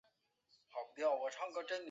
此徽章也是英国国徽左下的组成部分。